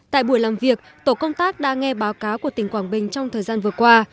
tại buổi làm việc tổ công tác đã nghe báo cáo của tỉnh quảng bình trong thời gian vừa qua